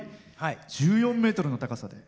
１４ｍの高さ。